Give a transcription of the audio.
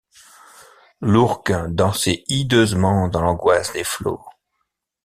L’ourque dansait hideusement dans l’angoisse des flots.